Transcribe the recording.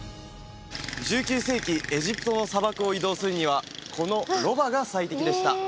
１９世紀エジプトの砂漠を移動するにはこのロバが最適でした